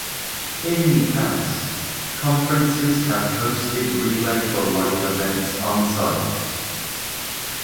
In the past, conferences have hosted Relay for Life events on site.